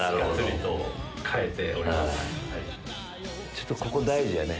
ちょっとここ大事やね。